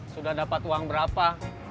sudah dapat uang berapa